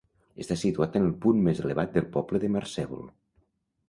Està situat en el punt més elevat del poble de Marcèvol.